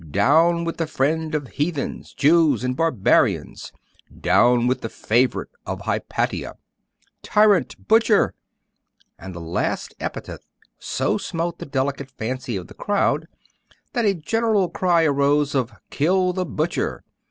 'Down with the friend of Heathens, Jews, and Barbarians!' 'Down with the favourite of Hypatia!' 'Tyrant!' 'Butcher!' And the last epithet so smote the delicate fancy of the crowd, that a general cry arose of 'Kill the butcher!